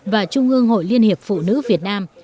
và trung ương hội liên hiệp phụ nữ việt nam